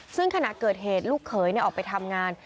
ซึ่งขณะเกิดเหตุลูกเขยออกไปทำงาน